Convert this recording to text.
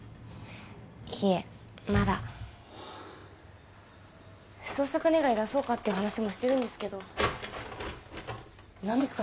いえまだ捜索願出そうかって話もしてるんですけど何ですか？